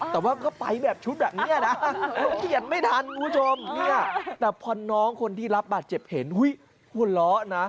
แต่ว่าก็ไปแบบชุดแบบนี้นะ